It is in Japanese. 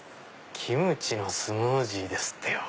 キムチのスムージーですってよ。